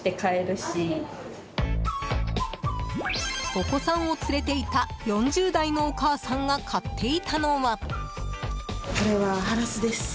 お子さんを連れていた４０代のお母さんが買っていたのは。